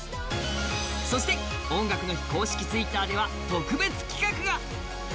そして「音楽の日」公式Ｔｗｉｔｔｅｒでは特別企画が！